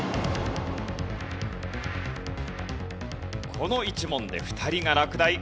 この１問で２人が落第。